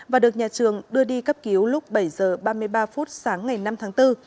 và được nhà trường đưa đi cấp cứu lúc bảy h ba mươi ba phút sáng ngày năm tháng bốn